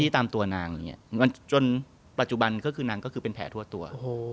ทำตัวนางจนปัจจุบันนางก็เป็นแผ่ทั่วตัว